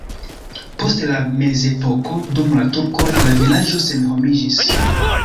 Post la mezepoko dum la turkoj la vilaĝo senhomiĝis.